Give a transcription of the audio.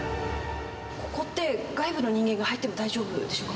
ここって、外部の人間が入っても大丈夫でしょうか？